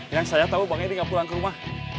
yang saya tahu bang eddy gak pulang ke rumah